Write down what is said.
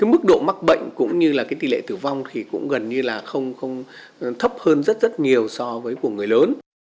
mức độ mắc bệnh cũng như tỷ lệ tử vong cũng gần như là không thấp hơn rất nhiều so với của người lớn